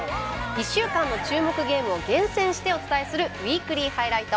１週間の注目ゲームを厳選してお伝えする「ウィークリーハイライト」。